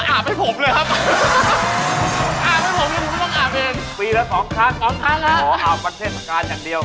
อ๋ออาบวันเชษฐการอย่างเดียว